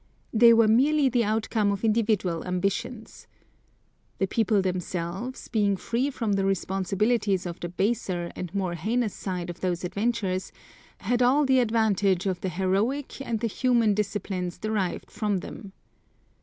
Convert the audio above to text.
They were merely the outcome of individual ambitions. The people themselves, being free from the responsibilities of the baser and more heinous side of those adventures, had all the advantage of the heroic and the human disciplines derived from them.